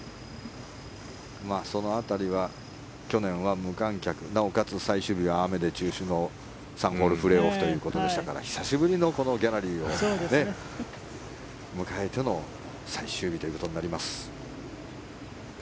その辺りは去年は無観客なおかつ最終日は雨で中止の３ホールプレーオフということでしたから久しぶりのギャラリーを迎えての最終日ということになります。